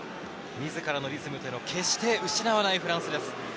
自らのリズムを決して失わないフランスです。